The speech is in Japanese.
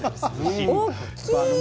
大きい。